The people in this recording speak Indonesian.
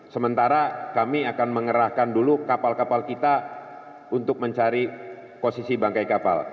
sementara kami akan mengerahkan dulu kapal kapal kita untuk mencari posisi bangkai kapal